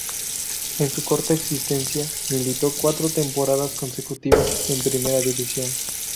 En su corta existencia, militó cuatro temporadas consecutivas en Primera División.